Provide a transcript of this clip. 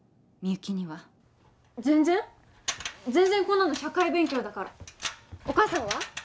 みゆきには全然全然こんなの社会勉強だからお母さんは？